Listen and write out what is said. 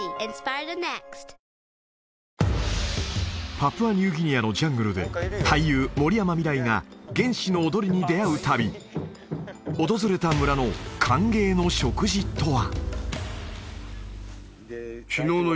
パプアニューギニアのジャングルで俳優森山未來が原始の踊りに出会う旅訪れた村の歓迎の食事とは？